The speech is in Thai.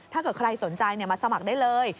ถ้าเกิดใครสนใจมาสมัครได้เลย